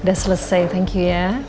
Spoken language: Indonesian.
sudah selesai thank you ya